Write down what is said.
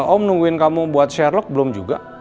om nungguin kamu buat sherlock belum juga